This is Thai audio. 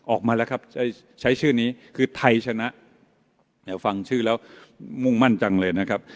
ออกมาแล้วครับใช้ชื่อนี้คือไทยชนะเนี่ยฟังชื่อแล้วมุ่งมั่นจังเลยนะครับ